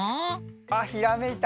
あっひらめいた。